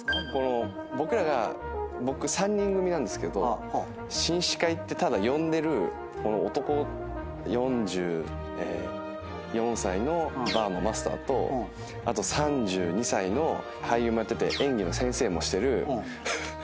僕らが３人組なんですけど紳士会ってただ呼んでる男４４歳のバーのマスターとあと３２歳の俳優もやってて演技の先生もしてる。